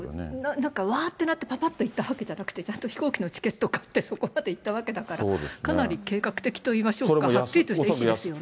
なんかうわーってなって、ぱぱっと行ったわけじゃなくて、ちゃんと飛行機のチケットを買って、そこまで行ったわけだから、かなり計画的といいましょうか、はっきりとした意思ですよね。